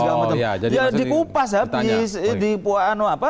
ya dikupas ya